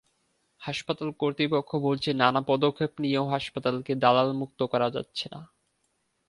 হাসপাতাল কর্তৃপক্ষ বলছে, নানা পদক্ষেপ নিয়েও হাসপাতালকে দালালমুক্ত করা যাচ্ছে না।